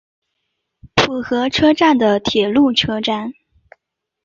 浦和车站的铁路车站。